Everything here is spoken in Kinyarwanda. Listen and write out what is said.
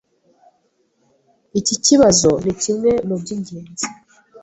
Iki kibazo nikimwe mubyingenzi.